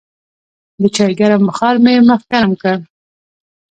د چای ګرم بخار مې مخ ګرم کړ.